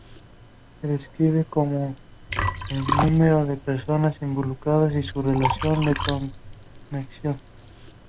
Se describe por el número de personas involucradas y su relación de conexión.